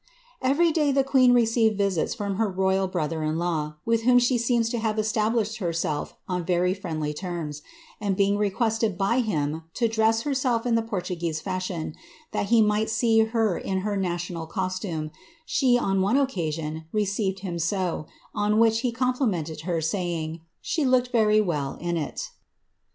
Every day the queen received visits from her royal brother in law, with whom she seems to have established herself on very friendly tenu; and being requested by him to dress herself in the Portuguese fiubioo, that he might see her in her national costume, she, on one occasioo, received him so, on which he complimented her, saying, ^ she looked very well in it."